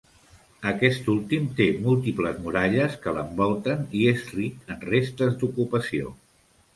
Aquest últim té múltiples muralles que l'envolten i és ric en restes d'ocupació.